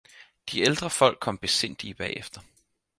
de ældre folk kom besindige bag efter.